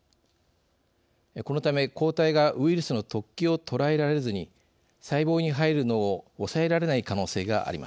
このため抗体がウイルスの突起をとらえられずに細胞に入るのを抑えられない可能性があります。